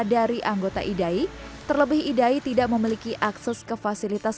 dari anggota idai terlebih idai tidak memiliki akses ke fasilitas